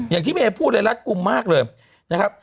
อย่างที่เมย์พูดเลยรัดกลุ่มมากเลยนะครับ